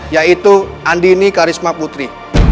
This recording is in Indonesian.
yaitu andini karisma putri